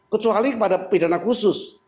kecuali kepada pidana khusus